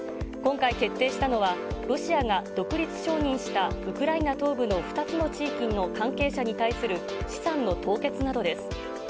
今回決定したのは、ロシアが独立承認したウクライナ東部の２つの地域の関係者に対する資産の凍結などです。